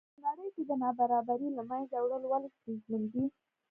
په نړۍ کې د نابرابرۍ له منځه وړل ولې ستونزمن دي.